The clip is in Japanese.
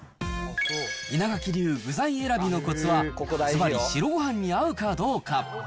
稲垣流具材選びのこつは、ずばり、白ごはんに合うかどうか。